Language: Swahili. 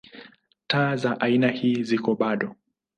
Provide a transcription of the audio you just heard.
Taa za aina ii ziko bado.